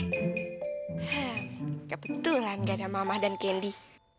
heem kebetulan ga ada mama dan candy